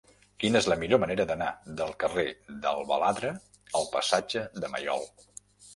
Quina és la millor manera d'anar del carrer del Baladre al passatge de Maiol?